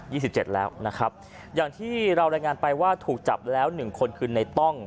สิบเจ็ดแล้วนะครับอย่างที่เรารายงานไปว่าถูกจับแล้วหนึ่งคนคือในต้อง